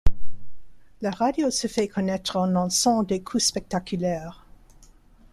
La radio se fait connaître en lançant des coups spectaculaires.